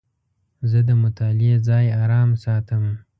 زه د مطالعې ځای آرام ساتم.